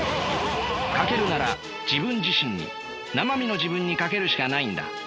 賭けるなら自分自身になま身の自分に賭けるしかないんだ。